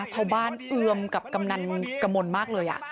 ชาวบ้านเอื้อมกับกำนันต์กระม่นมากเลย